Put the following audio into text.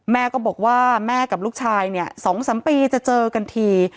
แม่ก็บอกว่าแม่กับลูกชายเนี่ย๒๓ปีจะเจอกันที